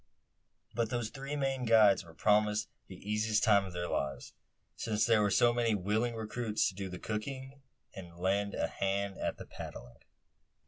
But those three Maine guides were promised the easiest time of their lives; since there were so many willing recruits to do the cooking; and lend a hand at the paddling.